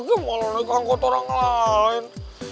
kayak malah naik angkot orang lain